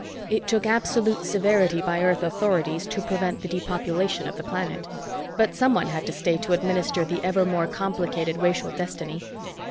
It took absolute severity by Earth authorities to prevent the depopulation of the planet. But someone had to stay to administer the ever more complicated racial destiny.